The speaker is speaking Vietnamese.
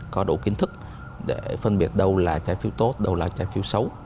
có đủ kiến thức để phân biệt đâu là trái phiếu tốt đâu là trái phiếu xấu